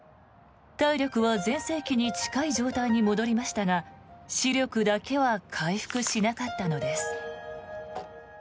体力は全盛期に近い状態に戻りましたが視力だけは回復しなかったのです。